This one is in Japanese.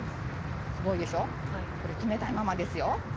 すごいでしょこれ冷たいままですよ。